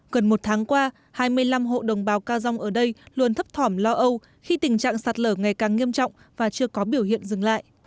gần một tháng qua hai mươi năm hộ đồng bào ca dông ở đây luôn thấp thỏm lo âu khi tình trạng sạt lở ngày càng nghiêm trọng và chưa có biểu hiện dừng lại